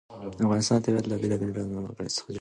د افغانستان طبیعت له بېلابېلو ډولو وګړي څخه جوړ شوی دی.